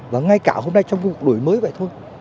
và ngay cả hôm nay trong khu đổi mới vậy thôi